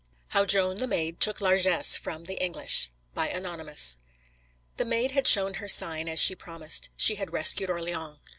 HOW JOAN THE MAID TOOK LARGESS FROM THE ENGLISH Anonymous The Maid had shown her sign, as she promised; she had rescued Orleans.